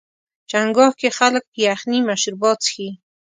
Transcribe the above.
چنګاښ کې خلک یخني مشروبات څښي.